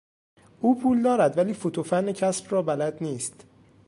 او پول دارد ولی فوت و فن کسب را بلد نیست.